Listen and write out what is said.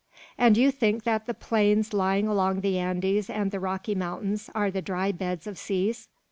"And you think that the plains lying among the Andes and the Rocky Mountains are the dry beds of seas?"